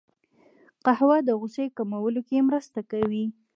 قهوه د غوسې کمولو کې مرسته کوي